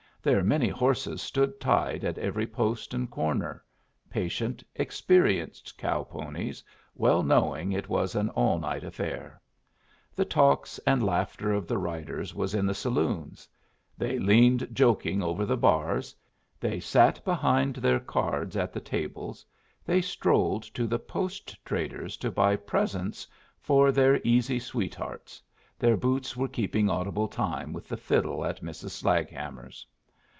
Their many horses stood tied at every post and corner patient, experienced cow ponies, well knowing it was an all night affair. The talk and laughter of the riders was in the saloons; they leaned joking over the bars, they sat behind their cards at the tables, they strolled to the post trader's to buy presents for their easy sweethearts their boots were keeping audible time with the fiddle at Mrs. Slaghammer's.